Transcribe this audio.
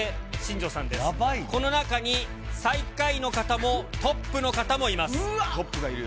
この中に、最下位の方も、トップがいるよ。